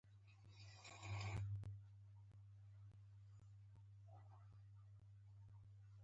سهار د مینې له مخې پیل دی.